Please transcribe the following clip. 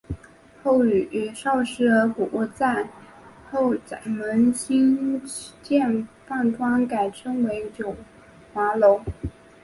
后与邰氏合股在后宰门兴建饭庄改称九华楼。